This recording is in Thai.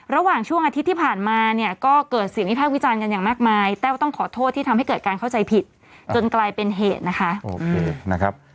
ระหว่างช่วงอาทิตย์ที่ผ่านมาเนี่ยก็เกิดเสียงวิพากษ์วิจารณ์กันอย่างมากมายแต้วต้องขอโทษที่ทำให้เกิดการเข้าใจผิดจนกลายเป็นเหตุนะคะโอเคนะครับ